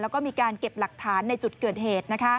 แล้วก็มีการเก็บหลักฐานในจุดเกิดเหตุ